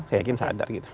saya yakin sadar gitu